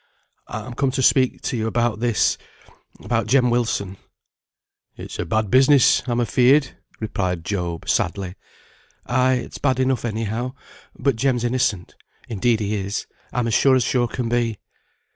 "I'm come to speak to you about this about Jem Wilson." "It's a bad business, I'm afeared," replied Job, sadly. "Ay, it's bad enough anyhow. But Jem's innocent. Indeed he is; I'm as sure as sure can be."